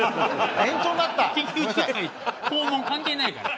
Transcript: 肛門関係ないから。